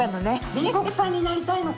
煉獄さんになりたいのか。